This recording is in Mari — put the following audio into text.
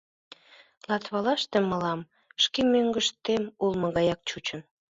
Латвалаште мылам шке мӧҥгыштем улмо гаяк чучын.